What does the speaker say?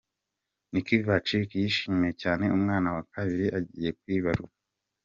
Nick Vujicic yishimiye cyane umwana wa kabiri agiye kwibaruka.